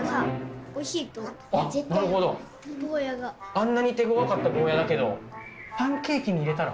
あんなに手ごわかったゴーヤだけどパンケーキに入れたら？